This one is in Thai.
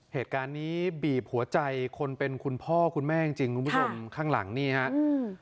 เหตุการณ์นี้บีบหัวใจคนเป็นคุณพ่อคุณแม่จริงจริงคุณผู้ชมข้างหลังนี่ฮะอืม